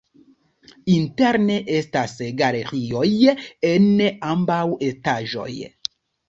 Interne estas galerioj en ambaŭ etaĝoj.